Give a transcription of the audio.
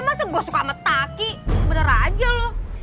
masa gue suka sama taki bener aja lo